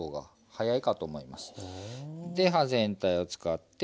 はい。